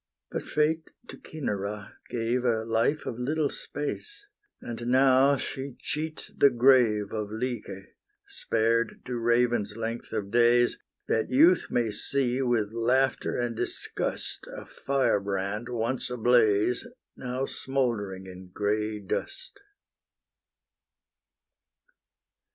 but Fate to Cinara gave A life of little space; And now she cheats the grave Of Lyce, spared to raven's length of days, That youth may see, with laughter and disgust, A fire brand, once ablaze, Now smouldering in grey dust.